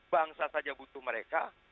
bangsa saja butuh mereka